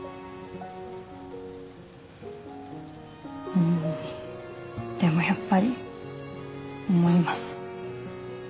うんでもやっぱり思います。